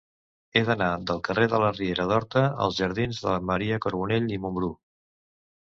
He d'anar del carrer de la Riera d'Horta als jardins de Maria Carbonell i Mumbrú.